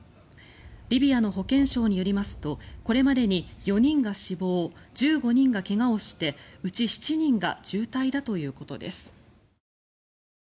リビアの保健相によりますとこれまでに４人が死亡１５人が怪我をして、うち７人が重体だということです。